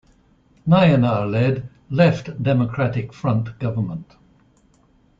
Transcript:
Nayanar led Left Democratic Front Government.